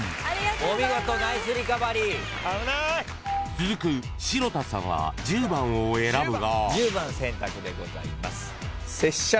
［続く城田さんは１０番を選ぶが］